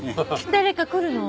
誰か来るの？